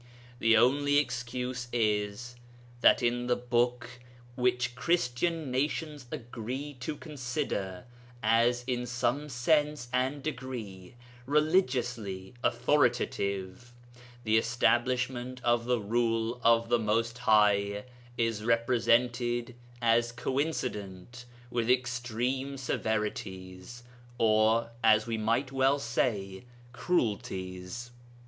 The only excuse is that in the Book which Christian nations agree to consider as in some sense and degree religiously authoritative, the establishment of the rule of the Most High is represented as coincident with extreme severities, or as we might well say cruelties.